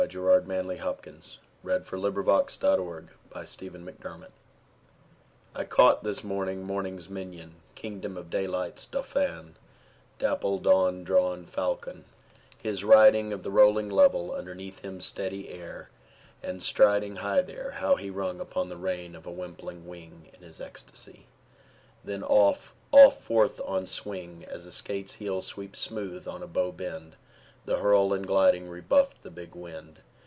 Gerard Manley Hopkins The Windhover: To Christ Our Lord I CAUGHT this morning morning's minion, king dom of daylight's dauphin, dapple dawn drawn Falcon, in his riding Of the rolling level underneath him steady air, and striding High there, how he rung upon the rein of a wimpling wing In his ecstasy! then off, off forth on swing, As a skate's heel sweeps smooth on a bow bend: the hurl and gliding Rebuffed the big wind.